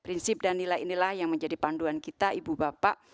inilah yang menjadi panduan kita ibu bapak